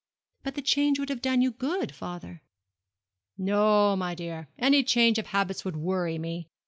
'But the change would have done you good, father.' 'No, my dear; any change of habits would worry me.